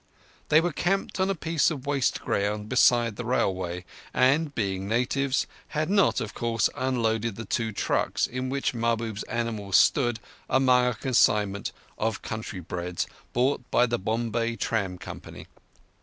They were camped on a piece of waste ground beside the railway, and, being natives, had not, of course, unloaded the two trucks in which Mahbub's animals stood among a consignment of country breds bought by the Bombay tram company.